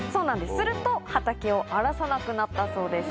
すると畑を荒らさなくなったそうです。